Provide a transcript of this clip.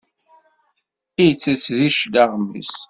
Itett di cclaɣem-is.